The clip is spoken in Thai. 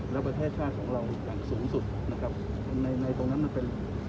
และประเทศชาติของเราอย่างสูงสุดนะครับในในตรงนั้นมันเป็น